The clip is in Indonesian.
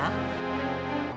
kamu kok langsung diam